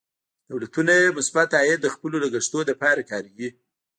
دولتونه مثبت عاید د خپلو لګښتونو لپاره کاروي.